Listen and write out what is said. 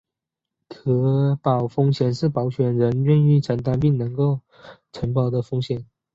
可保风险是保险人愿意承保并能够承保的风险。